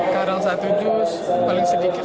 kadang satu juz paling sedikit satu juz